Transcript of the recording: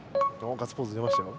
おガッツポーズ出ましたよ。